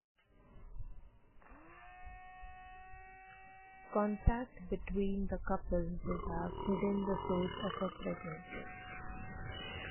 Contact between the couple would have hidden the source of her pregnancy.